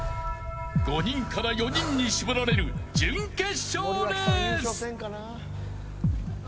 ５人から４人に絞られる準決勝レース。